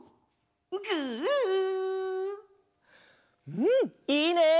うんいいね！